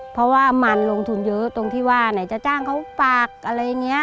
เพราะว่ามันลงทุนเยอะตรงที่ว่าไหนจะจ้างเขาฝากอะไรอย่างนี้